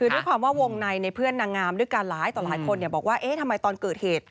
คือด้วยความว่าวงในในเพื่อนนางงามด้วยกันหลายต่อหลายคนบอกว่าเอ๊ะทำไมตอนเกิดเหตุ